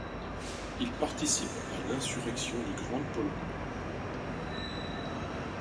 Il participe à l'insurrection de Grande-Pologne.